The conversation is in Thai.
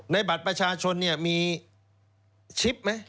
ในบัตรประชาชนมีชิปไหม